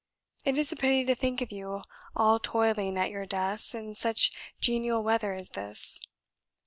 It is a pity to think of you all toiling at your desks in such genial weather as this.